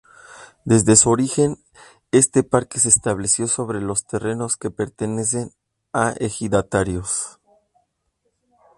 Desde su origen este parque se estableció sobre terrenos que pertenecen a ejidatarios.